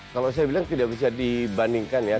kalau saya bilang tidak bisa dibandingkan ya